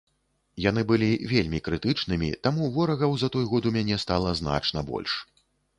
Яны былі вельмі крытычнымі, таму ворагаў за той год у мяне стала значна больш.